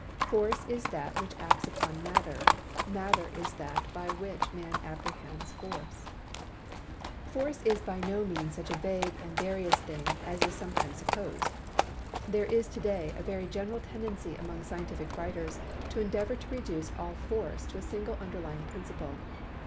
Force is that which acts upon Matter, Matter is that by which man apprehends Force. Force is by no means such a vague and various thing as is sometimes supposed. There is to day a very general tendency among scientific writers to endeavor to reduce all force to a single underlying principle.